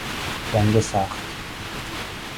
جنگ سخت